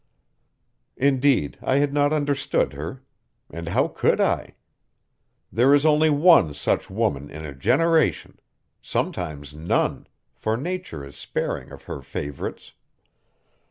Indeed I had not understood her. And how could I? There is only one such woman in a generation; sometimes none, for nature is sparing of her favorites.